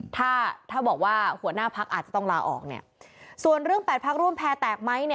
ถ้าบอกว่าหัวหน้าพักอาจจะต้องลาออกเนี่ยส่วนเรื่องแปดพักรุ่นแพร่แตกไหมเนี่ย